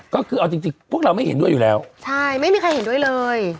ก็คือเอาจริงจริงพวกเราไม่เห็นด้วยอยู่แล้วใช่ไม่มีใครเห็นด้วยเลย